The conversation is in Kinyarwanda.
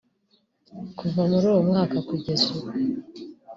Kuva muri uwo mwaka kugeza ubu